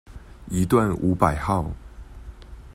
一段五百號